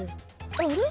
あれ？